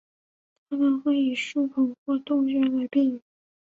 它们会以树孔或洞穴来避雨。